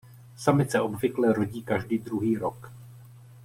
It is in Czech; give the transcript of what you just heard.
Samice obvykle rodí každý druhý rok.